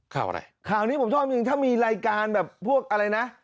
ข่าวอะไรข่าวนี้ผมชอบจริงถ้ามีรายการแบบพวกอะไรนะ